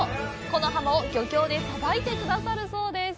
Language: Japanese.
このハモを漁協でさばいてくださるそうです。